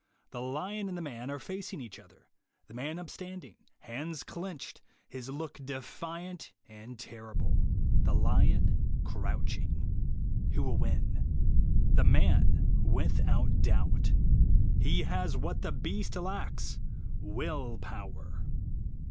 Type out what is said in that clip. The lion and the man are facing each other; the man upstanding, hands clenched, his look defiant and terrible; the lion crouching. Who will win? The man, without doubt. He has what the beast lacks, Will Power.